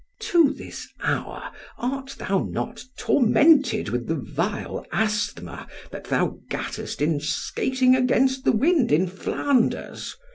To this hour art thou not tormented with the vile asthma that thou gattest in skating against the wind in _Flanders?